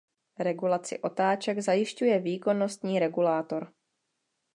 Regulaci otáček zajišťuje výkonnostní regulátor.